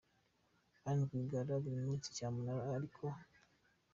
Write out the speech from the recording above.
Anne Rwigara: “Biri muri cyamunara, arikoo…..